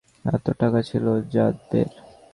এত টাকা ছিল যাদবের?